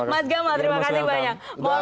mas gamal terima kasih banyak